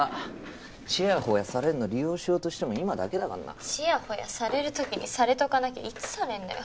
ちやほやされるの利用しようとしても今だけだからな。ちやほやされる時にされとかなきゃいつされるのよ。